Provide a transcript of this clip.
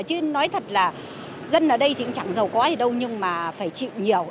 chứ nói thật là dân ở đây thì cũng chẳng giàu có gì đâu nhưng mà phải chịu nhiều